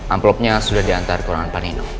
amplopnya sudah diantar ke ruangan pak nino